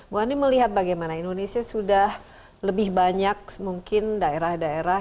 bu ani melihat bagaimana indonesia sudah lebih banyak mungkin daerah daerah